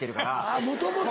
あもともと。